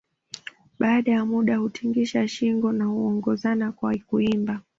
Baada ya muda hutingisha shinngo na huongozana kwa kuimba